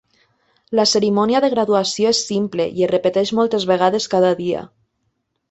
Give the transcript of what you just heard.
La cerimònia de graduació és simple i es repeteix moltes vegades cada dia.